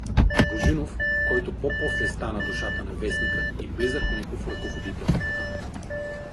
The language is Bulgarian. Божинов, който по-после стана душата на вестника и близък негов ръководител.